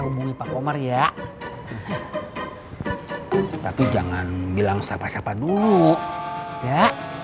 hubungi pak komar ya tapi jangan bilang sapa sapa dulu ya